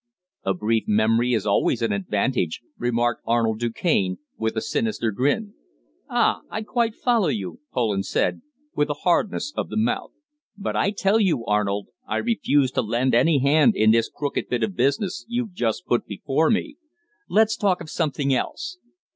"A brief memory is always an advantage," remarked Arnold Du Cane, with a sinister grin. "Ah! I quite follow you," Poland said, with a hardness of the mouth. "But I tell you, Arnold, I refuse to lend any hand in this crooked bit of business you've just put before me. Let's talk of something else."